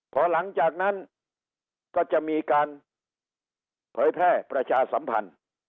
พอหลังจากนั้นก็จะมีการเผยแพร่ประชาสัมพันธ์